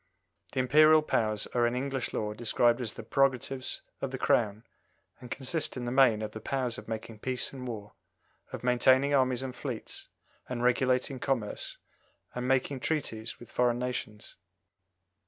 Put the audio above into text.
The Imperial powers are in English law described as the prerogatives of the Crown, and consist in the main of the powers of making peace and war, of maintaining armies and fleets and regulating commerce, and making treaties with foreign nations.